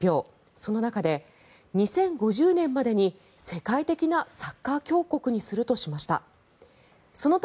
その中で２０５０年までに世界的なサッカー強国にするとしました。